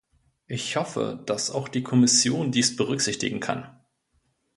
Ich hoffe, dass auch die Kommission dies berücksichtigen kann.